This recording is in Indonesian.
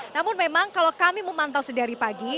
namun memang kalau kami memantau sedari pagi